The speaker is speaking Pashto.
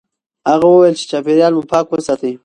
هغه وویل چې چاپیریال مو پاک وساتئ.